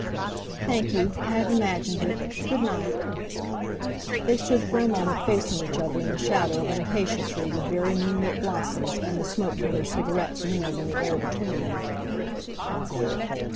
"Thank you, I have imagined it. Good night!" They stood for a moment facing each other in the shadow of an acacia tree with very moonlit blossoms, and the smoke from their cigarettes mingled in the air between them.